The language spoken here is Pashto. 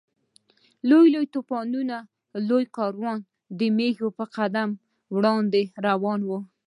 لویو لویو توپونو یو لوی کاروان د مېږي په قدم وړاندې روان و.